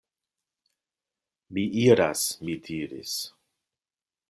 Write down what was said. Mi iras! mi diris.